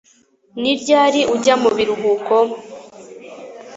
Ni ryari ujya mu biruhuko